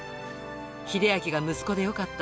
秀明が息子でよかった。